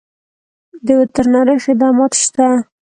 د وترنرۍ خدمات شته؟